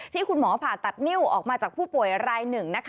ที่คุณหมอผ่าตัดนิ้วออกมาจากผู้ป่วยราย๑